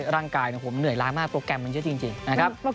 ร่างกายมันเหนื่อยมากโปรแกรมมันเยอะจริง